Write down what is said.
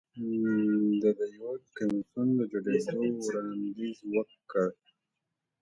ده د یو کمېسیون د جوړېدو وړاندیز وکړ